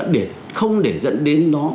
để không để dẫn đến nó